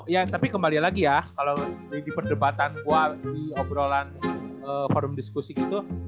ya tapi kembali lagi ya kalau di perdebatan di obrolan forum diskusi gitu